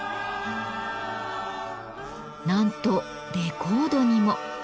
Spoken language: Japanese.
なんとレコードにも。